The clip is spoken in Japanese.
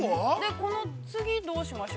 ◆この次、どうしましょう。